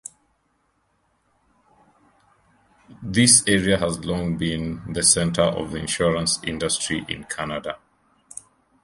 This area has long been the centre of the insurance industry in Canada.